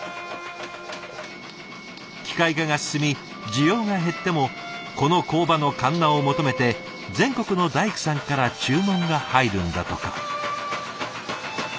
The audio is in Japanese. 機械化が進み需要が減ってもこの工場のかんなを求めて全国の大工さんから注文が入るんだとか。